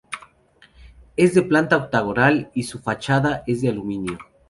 Es de planta octagonal, y su fachada es de aluminio.